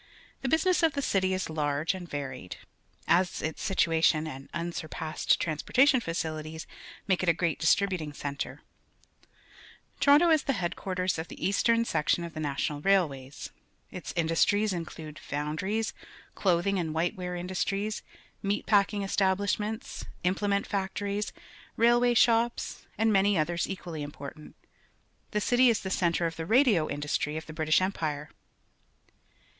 The business of the city is large and varied, as its situation and unsurpassed transporta tion facilities make it a great distributing centre. Toronto is the headquarters of tiie. eastern section of the National Railways^ Its industries include foundries, clothing aiwL white wear industries, mg^trPf^king estah Ushments, implement factorie s, railway shops, and many others equally important. The cit} is the centre of t he radi o indu stry^f t he Br itish Empire.